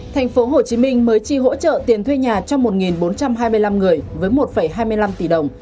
thành phố hồ chí minh mới chi hỗ trợ tiền thuê nhà cho một bốn trăm hai mươi năm người với một hai mươi năm tỷ đồng